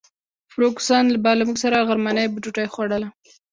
فرګوسن به له موږ سره غرمنۍ ډوډۍ خوړله.